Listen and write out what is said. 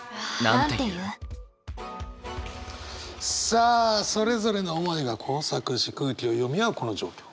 さあそれぞれの思いが交錯し空気を読み合うこの状況。